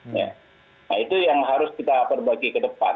nah itu yang harus kita perbagi ke depan